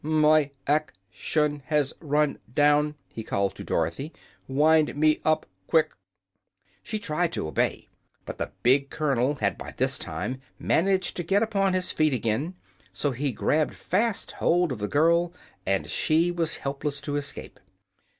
"My ac tion has run down," he called to Dorothy. "Wind me up, quick." She tried to obey, but the big colonel had by this time managed to get upon his feet again, so he grabbed fast hold of the girl and she was helpless to escape.